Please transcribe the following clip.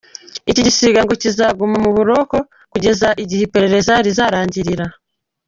Iki gisiga ngo kizaguma mu buroko kugeza igihe iperereza rizarangirira.